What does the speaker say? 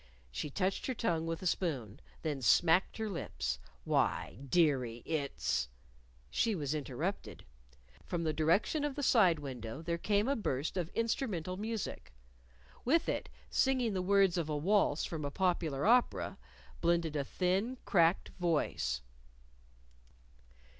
She touched her tongue with the spoon, then smacked her lips. "Why, dearie, it's " She was interrupted. From the direction of the side window there came a burst of instrumental music. With it, singing the words of a waltz from a popular opera, blended a thin, cracked voice.